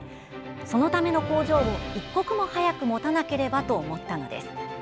そのための工場を一刻も早く持たなければと思ったのです。